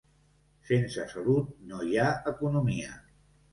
Sense salut no hi ha economia.